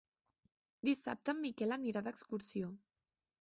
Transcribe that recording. Dissabte en Miquel anirà d'excursió.